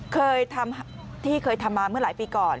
เคยทำที่เคยทำมาเมื่อหลายปีก่อน